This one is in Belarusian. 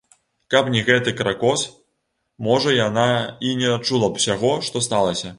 Каб не гэты кракос, можа яна і не адчула б усяго, што сталася.